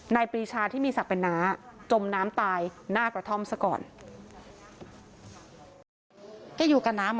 ปรีชาที่มีศักดิ์เป็นน้าจมน้ำตายหน้ากระท่อมซะก่อน